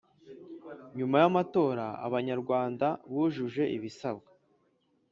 nyuma y amatora Abanyarwanda bujuje ibisabwa.